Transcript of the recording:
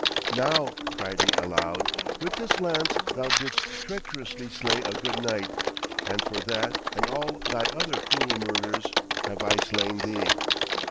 'Now,' cried he aloud, 'with this lance thou didst treacherously slay a good knight, and for that and all thy other cruel murders have I slain thee.'